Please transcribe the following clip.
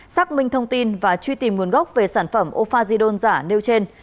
xác minh thông tin và truy tìm nguồn gốc về sản phẩm offajidon giả nêu trên